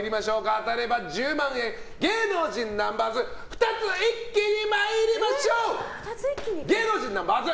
当たれば１０万円芸能人ナンバーズ２つ一気に参りましょう。